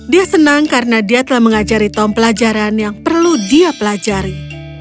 dia senang karena dia telah mengajari tom pelajaran yang perlu dia pelajari